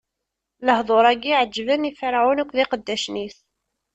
Lehduṛ-agi ɛeǧben i Ferɛun akked iqeddacen-is.